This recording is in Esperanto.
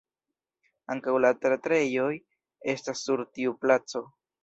Ankaŭ la teatrejo estas sur tiu placo.